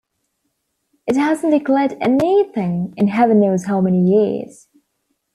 It hasn't declared anything in heaven knows how many years.